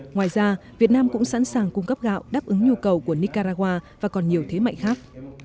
ngoài ra việt nam cũng sẵn sàng cung cấp gạo đáp ứng nhu cầu của nicaragua và còn nhiều thế mạnh khác